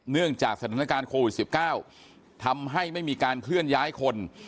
เนื่องจากสถานการณ์โควิด๑๙ทำให้ไม่มีการเคลื่อนย้ายคน